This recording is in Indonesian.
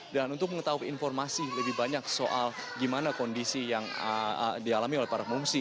dan untuk mengetahui informasi lebih banyak soal gimana kondisi yang dialami oleh para pengungsi